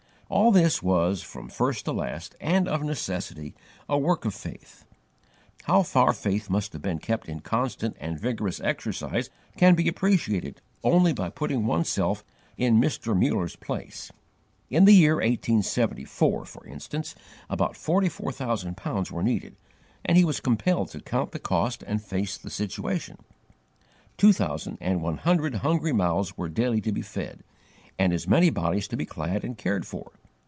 All this was, from first to last, and of necessity, a work of faith. How far faith must have been kept in constant and vigorous exercise can be appreciated only by putting one's self in Mr. Muller's place. In the year 1874, for instance, about forty four thousand pounds were needed, and he was compelled to count the cost and face the situation. Two thousand and one hundred hungry mouths were daily to be fed, and as many bodies to be clad and cared for.